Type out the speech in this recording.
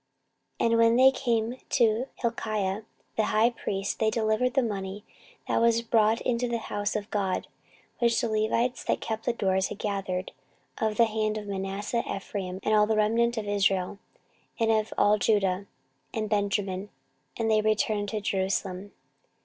14:034:009 And when they came to Hilkiah the high priest, they delivered the money that was brought into the house of God, which the Levites that kept the doors had gathered of the hand of Manasseh and Ephraim, and of all the remnant of Israel, and of all Judah and Benjamin; and they returned to Jerusalem.